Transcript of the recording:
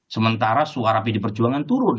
sementara suara pdi perjuangan turun